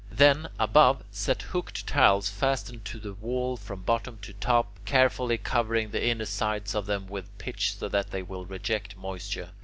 Then, above, set hooked tiles fastened to the wall from bottom to top, carefully covering the inner sides of them with pitch so that they will reject moisture.